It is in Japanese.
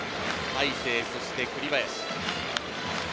大勢、そして栗林。